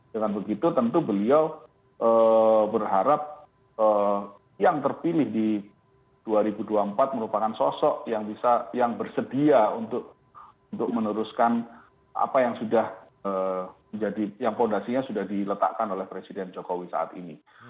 dengan begitu tentu beliau berharap yang terpilih di dua ribu dua puluh empat merupakan sosok yang bisa yang bersedia untuk meneruskan apa yang sudah menjadi yang fondasinya sudah diletakkan oleh presiden jokowi saat ini